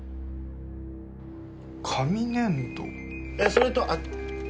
それとあっ。